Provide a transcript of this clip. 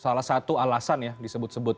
salah satu alasan ya disebut sebut